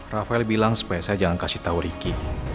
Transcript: rafael bilang supaya saya jangan kasih tau ricky